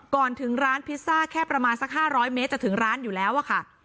ก่อนถึงร้านพิซซ่าแค่ประมาณสัก๕๐๐เมตรจะถึงร้านอยู่แล้วอะค่ะ